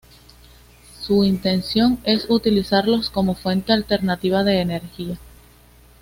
Su intención es utilizarlos como fuente alternativa de energía.